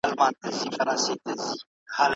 ډيپلوماټان به د نړيوالو ستونزو لپاره حل پيدا کړي.